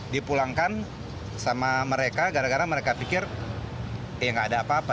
dipulangkan sama mereka gara gara mereka pikir ya nggak ada apa apa